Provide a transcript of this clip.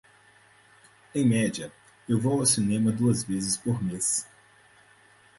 Em média, eu vou ao cinema duas vezes por mês.